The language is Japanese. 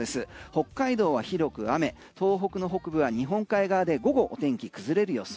北海道は広く雨東北の北部は日本海側で午後お天気崩れる予想。